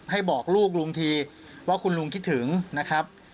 ให้บอกลูกลุงทีว่าคุณลุงคิดถึงนะครับ